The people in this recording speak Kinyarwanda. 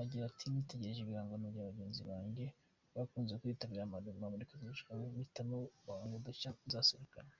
Agira ati “Nitegereje ibihangano bya bagenzi banjye bakunzekwitabira amamurikagurisha mpitamo guhanga agashya nzaserukana.